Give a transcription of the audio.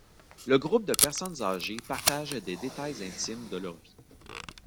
Le groupe de personnes âgées partagent des détails intimes de leurs vies.